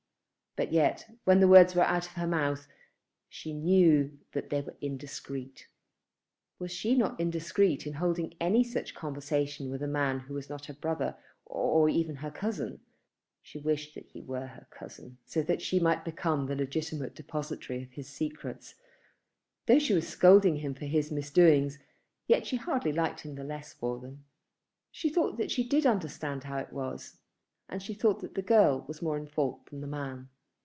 But yet, when the words were out of her mouth, she knew that they were indiscreet. Was she not indiscreet in holding any such conversation with a man who was not her brother or even her cousin? She wished that he were her cousin, so that she might become the legitimate depository of his secrets. Though she was scolding him for his misdoings, yet she hardly liked him the less for them. She thought that she did understand how it was, and she thought that the girl was more in fault than the man.